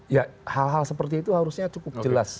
ya hal hal seperti itu harusnya cukup jelas